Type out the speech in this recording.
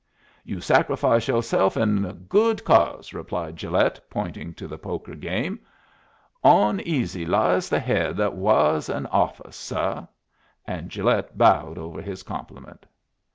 "You sacrifice yo'self in the good cause," replied Gilet, pointing to the poker game. "Oneasy lies the head that wahs an office, suh." And Gilet bowed over his compliment.